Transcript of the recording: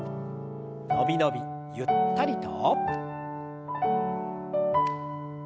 伸び伸びゆったりと。